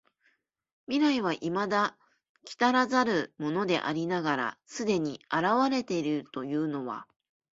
未来は未だ来らざるものでありながら既に現れているというのは、